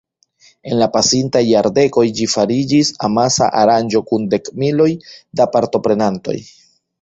En la pasintaj jardekoj ĝi fariĝis amasa aranĝo kun dekmiloj da partoprenantoj.